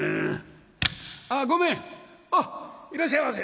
「あっいらっしゃいませ。